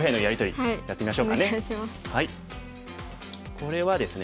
これはですね